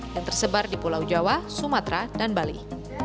yang tersebar di pulau jawa sumatera dan bali